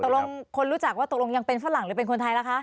คนรู้จักว่าตกลงยังเป็นฝรั่งหรือเป็นคนไทยล่ะคะ